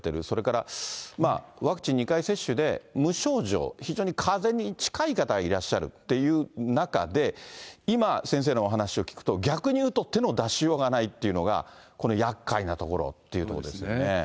それからワクチン２回接種で無症状、非常にかぜに近い方がいらっしゃるっていう中で、今、先生のお話を聞くと、逆に言うと、手の出しようがないというのが、このやっかいなところっていうところですね。